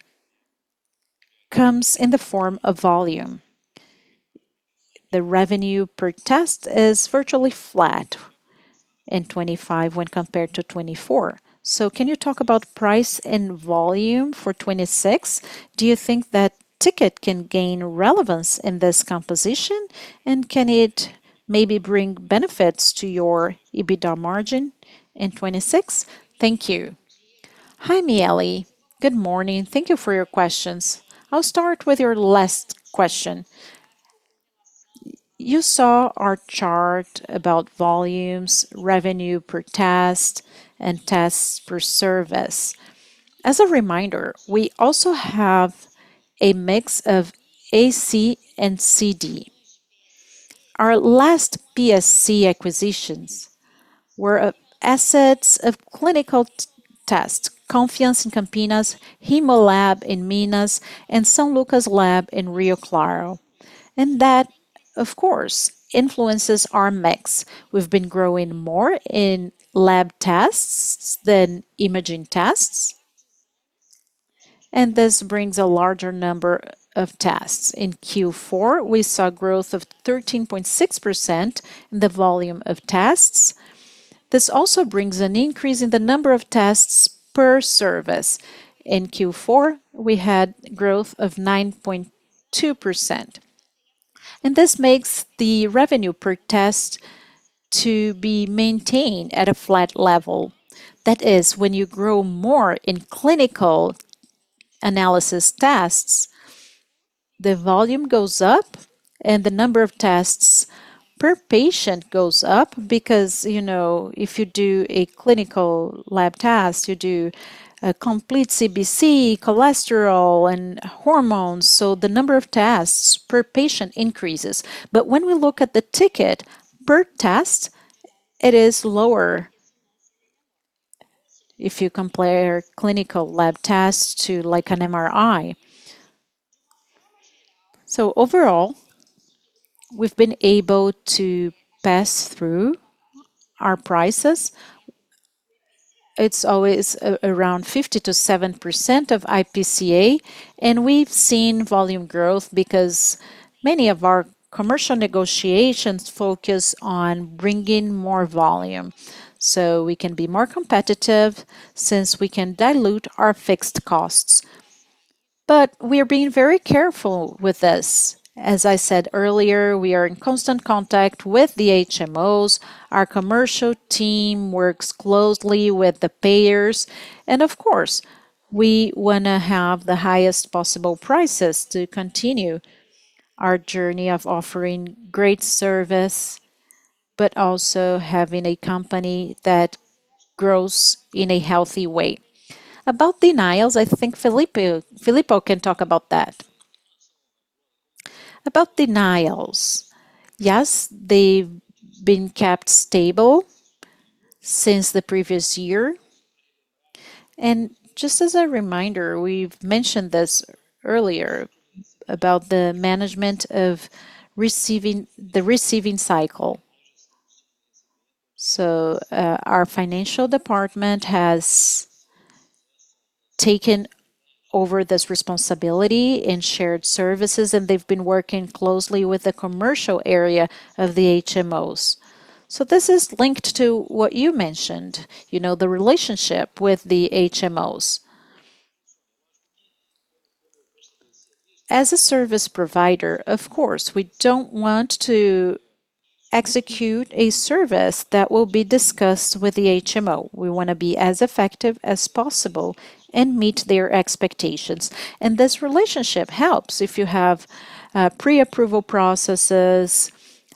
comes in the form of volume. The revenue per test is virtually flat in 2025 when compared to 2024. Can you talk about price and volume for 2026? Do you think that ticket can gain relevance in this composition? Can it maybe bring benefits to your EBITDA margin in 2026? Thank you. Hi, Miele. Good morning. Thank you for your questions. I'll start with your last question. You saw our chart about volumes, revenue per test, and tests per service. As a reminder, we also have a mix of AC and CD. Our last PSC acquisitions were assets of clinical tests, Confiance in Campinas, Hemolab in Minas, and São Lucas Lab in Rio Claro. That, of course, influences our mix. We've been growing more in lab tests than imaging tests. This brings a larger number of tests. In Q4, we saw growth of 13.6% in the volume of tests. This also brings an increase in the number of tests per service. In Q4, we had growth of 9.2%. This makes the revenue per test to be maintained at a flat level. That is, when you grow more in clinical analysis tests, the volume goes up and the number of tests per patient goes up because, you know, if you do a clinical lab test, you do a complete CBC, cholesterol, and hormones. The number of tests per patient increases. When we look at the ticket per test, it is lower if you compare clinical lab tests to like an MRI. Overall, we've been able to pass through our prices. It's always around 50% to 7% of IPCA. We've seen volume growth because many of our commercial negotiations focus on bringing more volume. We can be more competitive since we can dilute our fixed costs. We are being very careful with this. As I said earlier, we are in constant contact with the HMOs. Our commercial team works closely with the payers. Of course, we wanna have the highest possible prices to continue our journey of offering great service, but also having a company that grows in a healthy way. About denials, I think Filippo can talk about that. About denials, yes, they've been kept stable since the previous year. Just as a reminder, we've mentioned this earlier about the management of the receiving cycle. Our financial department has taken over this responsibility in shared services, and they've been working closely with the commercial area of the HMOs. This is linked to what you mentioned, you know, the relationship with the HMOs. As a service provider, of course, we don't want to execute a service that will be discussed with the HMO. We want to be as effective as possible and meet their expectations. This relationship helps if you have pre-approval processes,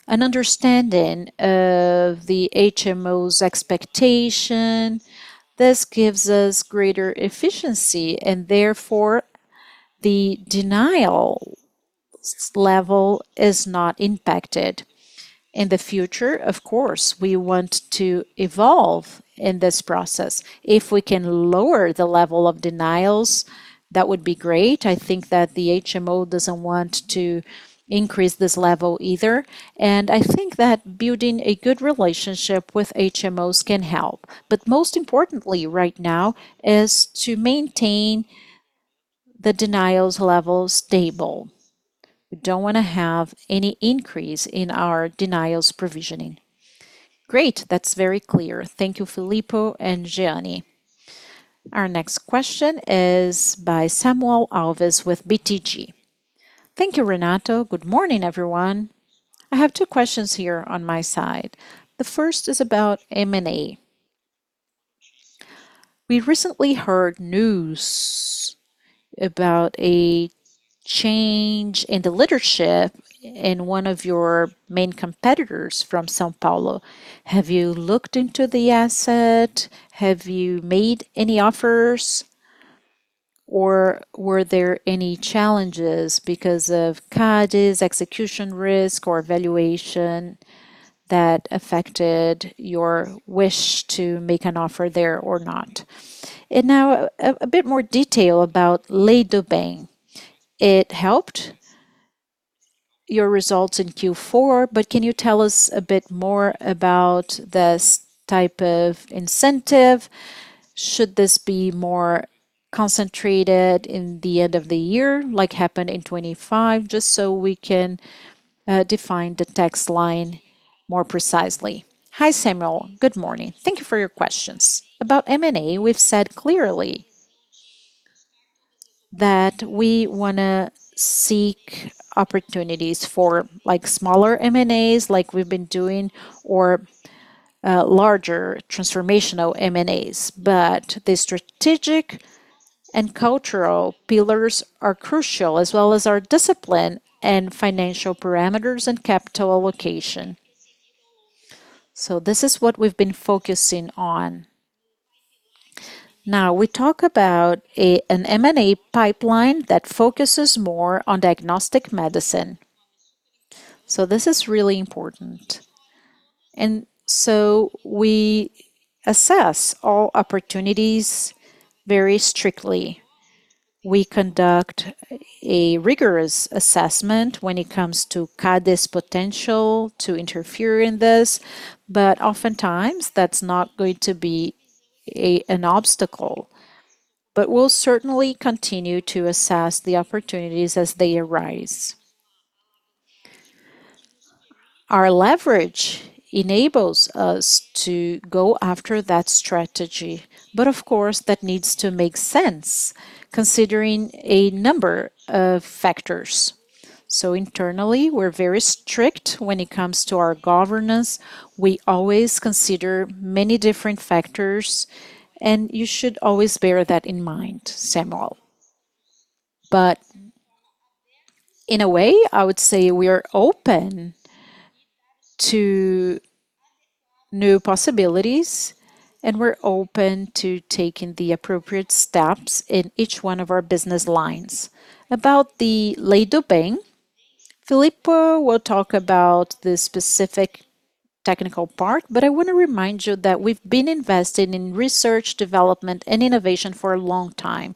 an understanding of the HMO's expectation. This gives us greater efficiency, and therefore, the denial level is not impacted. In the future, of course, we want to evolve in this process. If we can lower the level of denials, that would be great. I think that the HMO doesn't want to increase this level either. I think that building a good relationship with HMOs can help. Most importantly right now is to maintain the denials level stable. We don't want to have any increase in our denials provisioning. Great. That's very clear. Thank you, Filippo and Jeane. Our next question is by Samuel Alves with BTG. Thank you, Renato. Good morning, everyone. I have two questions here on my side. The first is about M&A. We recently heard news about a change in the leadership in one of your main competitors from São Paulo. Have you looked into the asset? Have you made any offers, or were there any challenges because of CADE's execution risk or valuation that affected your wish to make an offer there or not? Now, a bit more detail about Lei do Bem. It helped your results in Q4. Can you tell us a bit more about this type of incentive? Should this be more concentrated in the end of the year, like happened in 2025, just so we can define the tax line more precisely. Hi, Samuel. Good morning. Thank you for your questions. About M&A, we've said clearly that we wanna seek opportunities for, like, smaller M&As, like we've been doing, or larger transformational M&As. The strategic and cultural pillars are crucial, as well as our discipline and financial parameters and capital allocation. This is what we've been focusing on. We talk about an M&A pipeline that focuses more on diagnostic medicine. We assess all opportunities very strictly. We conduct a rigorous assessment when it comes to CADE's potential to interfere in this, but oftentimes, that's not going to be an obstacle. We'll certainly continue to assess the opportunities as they arise. Our leverage enables us to go after that strategy. Of course, that needs to make sense considering a number of factors. Internally, we're very strict when it comes to our governance. We always consider many different factors, and you should always bear that in mind, Samuel. In a way, I would say we are open to new possibilities, and we're open to taking the appropriate steps in each one of our business lines. About the Lei do Bem, Filippo will talk about the specific technical part, but I wanna remind you that we've been investing in research, development, and innovation for a long time.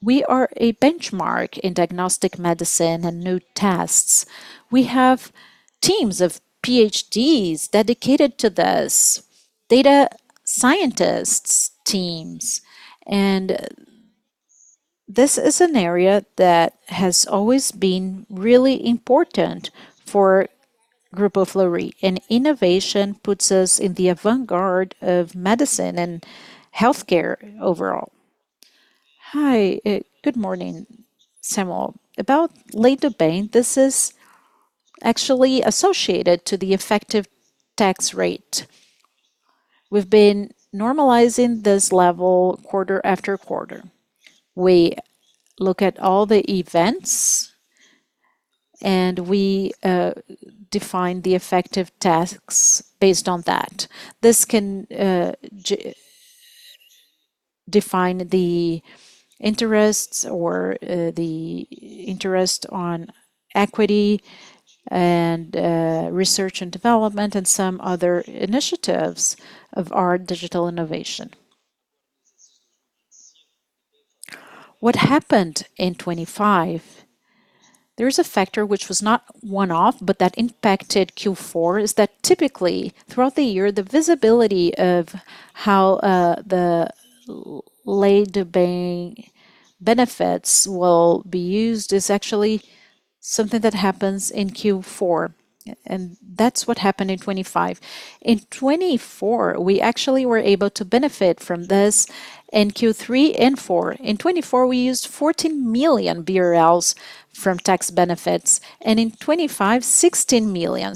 We are a benchmark in diagnostic medicine and new tests. We have teams of PhDs dedicated to this, data scientists teams, this is an area that has always been really important for Grupo Fleury, innovation puts us in the avant-garde of medicine, and healthcare overall. Hi. Good morning, Samuel. About Lei do Bem, this is actually associated to the effective tax rate. We've been normalizing this level quarter after quarter. We look at all the events, we define the effective tasks based on that. This can define the interests or the interest on equity and research and development and some other initiatives of our digital innovation. What happened in 2025, there is a factor which was not one-off but that impacted Q4, is that typically, throughout the year, the visibility of how the Lei do Bem benefits will be used is actually something that happens in Q4. That's what happened in 2025. In 2024, we actually were able to benefit from this in Q3 and Q4. In 2024, we used 14 million BRL from tax benefits, and in 2025, 16 million.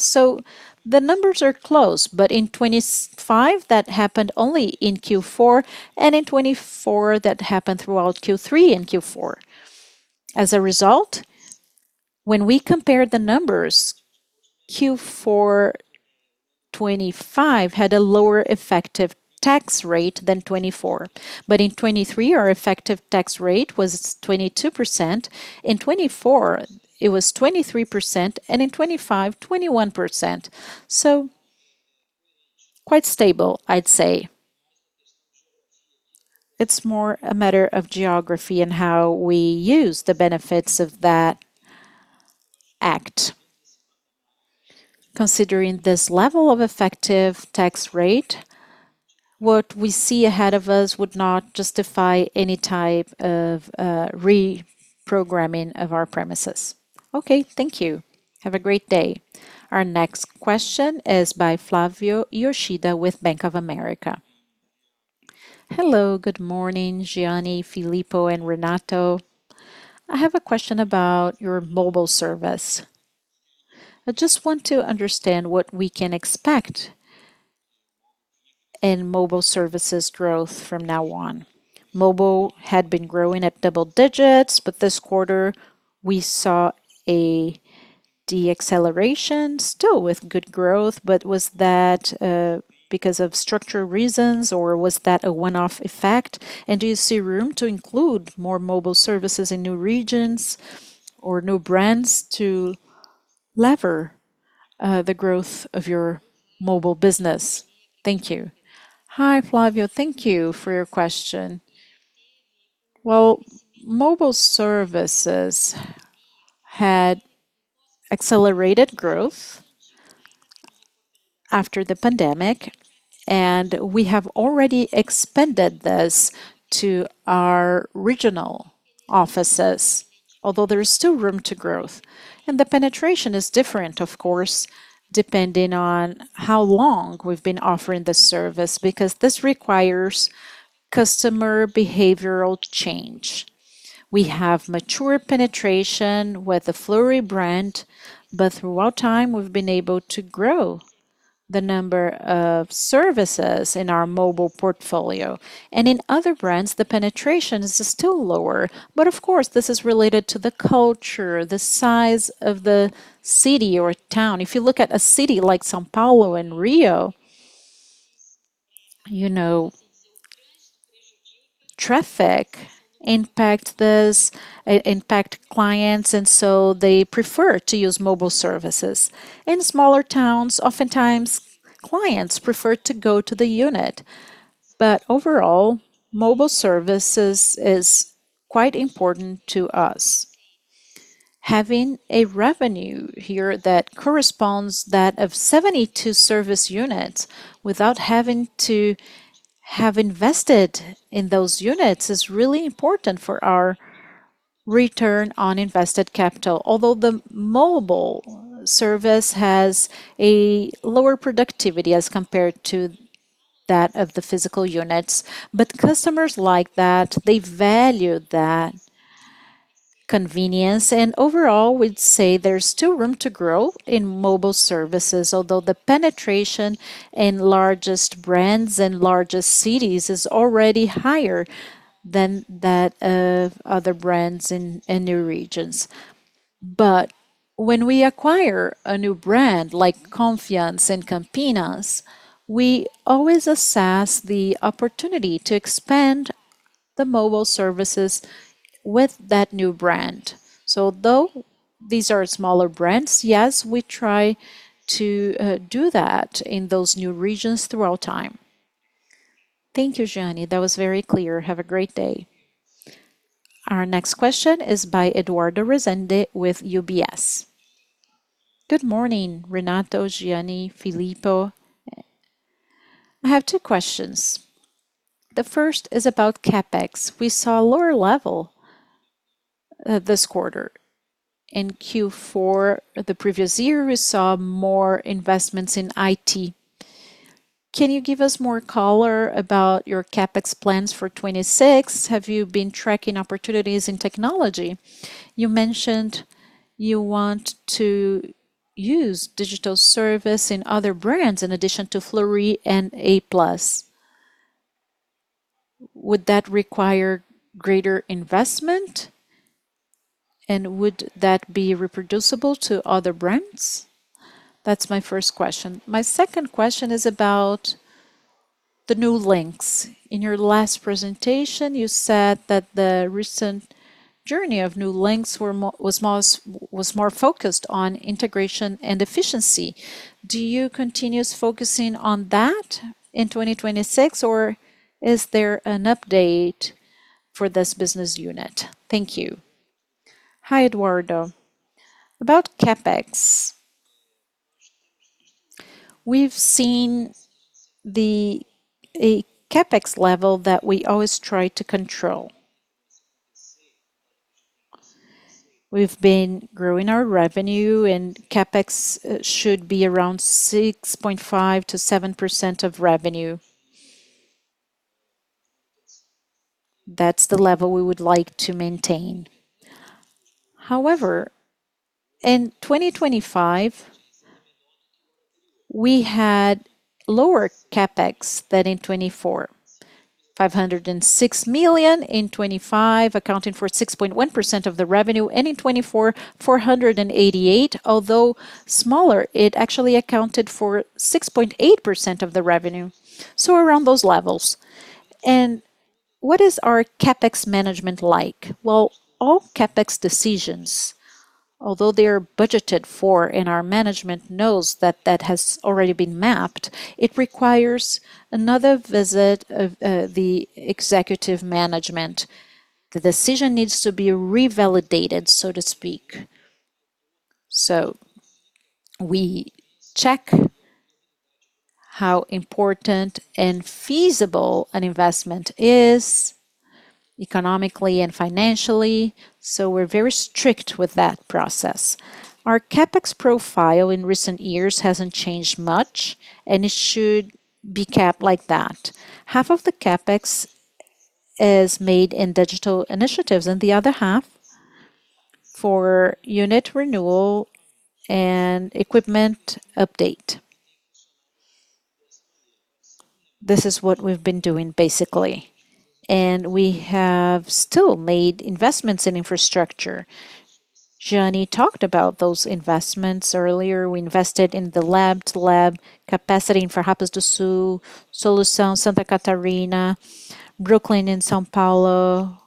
The numbers are close, but in 2025, that happened only in Q4, and in 2024, that happened throughout Q3 and Q4. As a result, when we compare the numbers, Q4 2025 had a lower effective tax rate than 2024. In 2023, our effective tax rate was 22%. In 2024, it was 23%, and in 2025, 21%. Quite stable, I'd say. It's more a matter of geography and how we use the benefits of that act. Considering this level of effective tax rate, what we see ahead of us would not justify any type of reprogramming of our premises. Okay. Thank you. Have a great day. Our next question is by Flavio Yoshida with Bank of America. Hello. Good morning, Jeane, Filippo, and Renato. I have a question about your mobile service. I just want to understand what we can expect in mobile services growth from now on. Mobile had been growing at double digits, but this quarter we saw a deceleration still with good growth. Was that because of structure reasons, or was that a one-off effect? Do you see room to include more mobile services in new regions or new brands to lever the growth of your mobile business? Thank you. Hi, Flavio. Thank you for your question. Well, mobile services had accelerated growth after the pandemic, and we have already expanded this to our regional offices, although there is still room to growth. The penetration is different, of course, depending on how long we've been offering the service, because this requires customer behavioral change. We have mature penetration with the Fleury brand, but throughout time we've been able to grow the number of services in our mobile portfolio. In other brands the penetration is still lower. Of course, this is related to the culture, the size of the city or town. If you look at a city like São Paulo and Rio, you know, traffic impact clients, and so they prefer to use mobile services. In smaller towns, oftentimes clients prefer to go to the unit. Overall, mobile services is quite important to us. Having a revenue here that corresponds that of 72 service units without having to have invested in those units is really important for our return on invested capital. Although the mobile service has a lower productivity as compared to that of the physical units. Customers like that, they value that convenience. Overall, we'd say there's still room to grow in mobile services. Although the penetration in largest brands and largest cities is already higher than that of other brands in new regions. When we acquire a new brand like Confiance in Campinas, we always assess the opportunity to expand the mobile services with that new brand. Although these are smaller brands, yes, we try to do that in those new regions throughout time. Thank you, Jeane. That was very clear. Have a great day. Our next question is by Eduardo Rezende with UBS. Good morning, Renato, Jeane, Filippo. I have two questions. The first is about CapEx. We saw a lower level this quarter. In Q4 the previous year, we saw more investments in IT. Can you give us more color about your CapEx plans for 2026? Have you been tracking opportunities in technology? You mentioned you want to use digital service in other brands in addition to Fleury and A+. Would that require greater investment, and would that be reproducible to other brands? That's my first question. My second question is about the New Links. In your last presentation, you said that the recent journey of New Links was more focused on integration and efficiency. Do you continue focusing on that in 2026, or is there an update for this business unit? Thank you. Hi, Eduardo. About CapEx, we've seen a CapEx level that we always try to control. CapEx should be around 6.5%-7% of revenue. That's the level we would like to maintain. In 2025, we had lower CapEx than in 2024. 506 million in 2025, accounting for 6.1% of the revenue. In 2024, 488 million, although smaller, it actually accounted for 6.8% of the revenue. Around those levels. What is our CapEx management like? Well, all CapEx decisions, although they are budgeted for and our management knows that that has already been mapped, it requires another visit of the executive management. The decision needs to be revalidated, so to speak. We check how important and feasible an investment is economically and financially, so we're very strict with that process. Our CapEx profile in recent years hasn't changed much, and it should be kept like that. Half of the CapEx is made in digital initiatives, the other half for unit renewal and equipment update. This is what we've been doing, basically. We have still made investments in infrastructure. Giany talked about those investments earlier. We invested in the Lab-to-Lab capacity in Rio Grande do Sul, Solução, Santa Catarina, Brooklin, and São Paulo.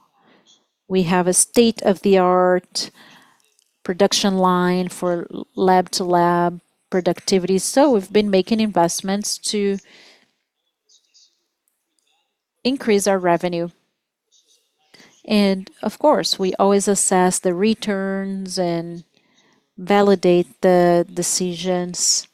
We have a state-of-the-art production line for Lab-to-Lab productivity. We've been making investments to increase our revenue. Of course, we always assess the returns, and validate the decisions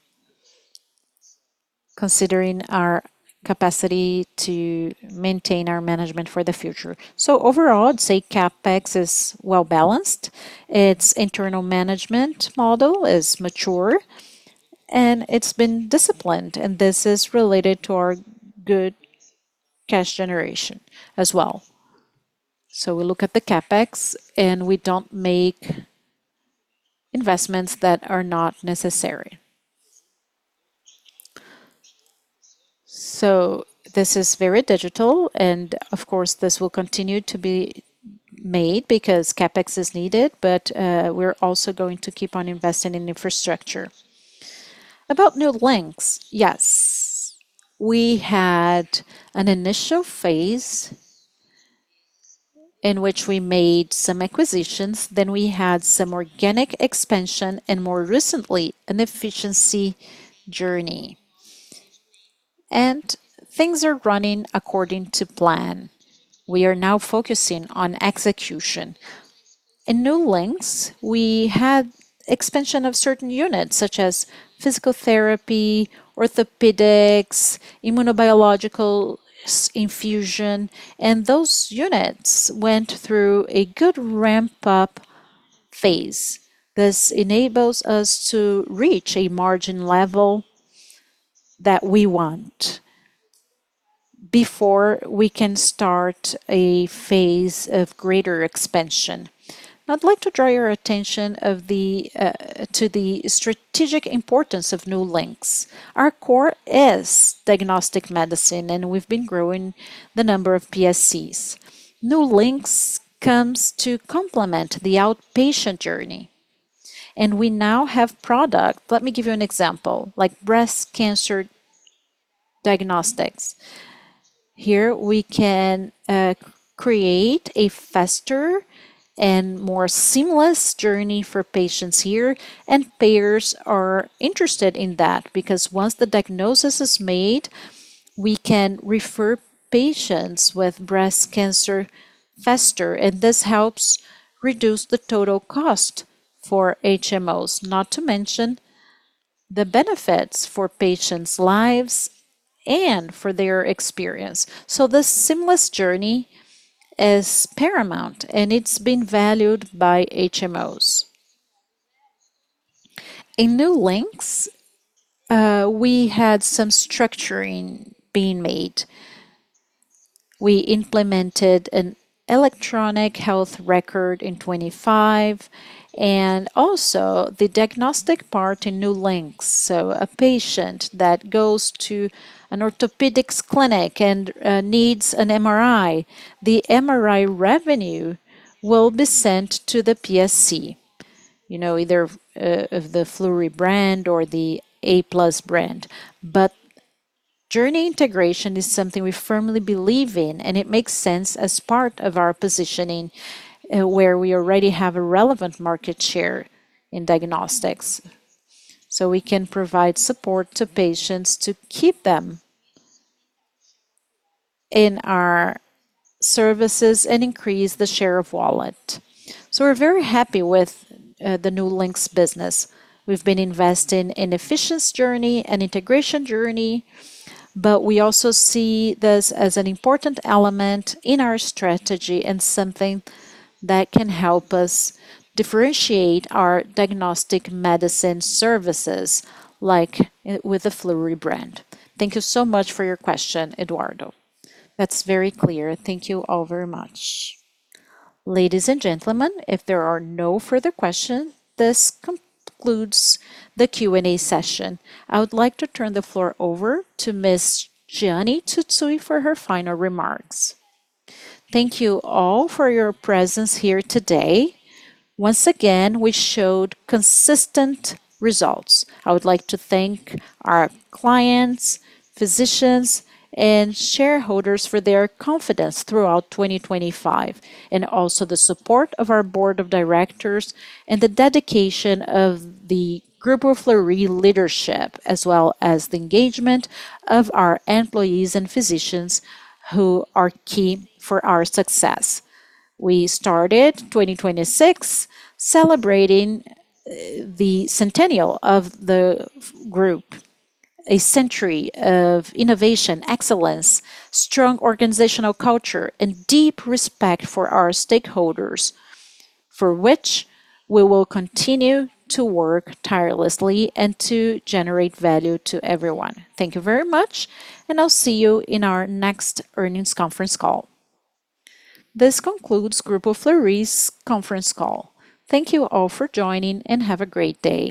considering our capacity to maintain our management for the future. Overall, I'd say CapEx is well-balanced. Its internal management model is mature, it's been disciplined, this is related to our good cash generation as well. We look at the CapEx, we don't make investments that are not necessary. This is very digital, and of course, this will continue to be made because CapEx is needed. We're also going to keep on investing in infrastructure. About New Links, yes. We had an initial phase in which we made some acquisitions, then we had some organic expansion and, more recently, an efficiency journey. Things are running according to plan. We are now focusing on execution. In New Links, we had expansion of certain units, such as physical therapy, orthopedics, immunobiological infusion, and those units went through a good ramp-up phase. This enables us to reach a margin level that we want before we can start a phase of greater expansion. Now I'd like to draw your attention to the strategic importance of New Links. Our core is diagnostic medicine, and we've been growing the number of PSCs. New Links comes to complement the outpatient journey. We now have product. Let me give you an example, like breast cancer diagnostics. Here we can create a faster and more seamless journey for patients here, and payers are interested in that because once the diagnosis is made, we can refer patients with breast cancer faster, and this helps reduce the total cost for HMOs, not to mention the benefits for patients' lives and for their experience. This seamless journey is paramount, and it's been valued by HMOs. In New Links, we had some structuring being made. We implemented an electronic health record in 2025 and also the diagnostic part in New Links. A patient that goes to an orthopedics clinic and needs an MRI, the MRI revenue will be sent to the PSC. You know, either of the Fleury brand or the a+ brand. Journey integration is something we firmly believe in, and it makes sense as part of our positioning, where we already have a relevant market share in diagnostics. We can provide support to patients to keep them in our services, and increase the share of wallet. We're very happy with the New Links business. We've been investing in efficiency journey and integration journey, we also see this as an important element in our strategy and something that can help us differentiate our diagnostic medicine services, like with the Fleury brand. Thank you so much for your question, Eduardo. That's very clear. Thank you all very much. Ladies and gentlemen, if there are no further questions, this concludes the Q&A session. I would like to turn the floor over to Ms. Jeane Tsutsui for her final remarks. Thank you all for your presence here today. Once again, we showed consistent results. I would like to thank our clients, physicians, and shareholders for their confidence throughout 2025 and also the support of our board of directors and the dedication of the Grupo Fleury leadership, as well as the engagement of our employees and physicians who are key for our success. We started 2026 celebrating the centennial of the group. A century of innovation, excellence, strong organizational culture, and deep respect for our stakeholders, for which we will continue to work tirelessly and to generate value to everyone. Thank you very much, and I'll see you in our next earnings conference call. This concludes Grupo Fleury's conference call. Thank you all for joining, and have a great day.